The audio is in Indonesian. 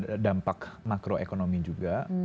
mungkin karena dampak makroekonomi juga